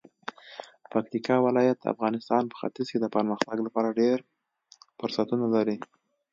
پکتیکا ولایت د افغانستان په ختیځ کې د پرمختګ لپاره ډیر فرصتونه لري.